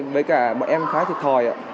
với cả bọn em khá thiệt thòi